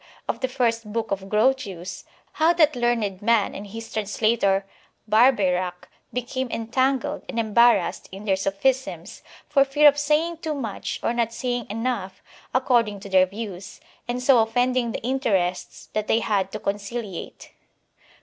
of the first book of Grotius, how that learned man and his translator Barbeyrac became en tangled and embarrassed in their sophisms, for fear of saying too much or not saying enough according to their views, and so offending the interests that they had to conciliate.